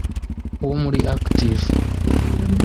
wo muri Active